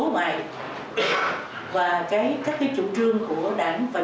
chủ tịch quốc hội cũng bày tỏ sự vui mừng và khen ngợi tỉnh quảng ninh đã dồn nhiều nguồn lực